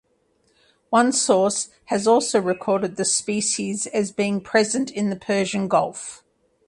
One source has also recorded the species as being present in the Persian Gulf.